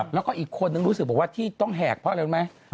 แล้วก็อีกคนนึงรู้สึกบอกว่าที่ต้องแหกเพราะอะไรรู้ไหม